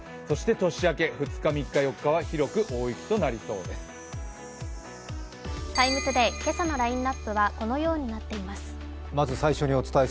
年明け２日、３日、４日は広く大雪となりそうです。